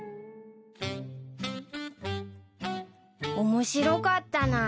面白かったな。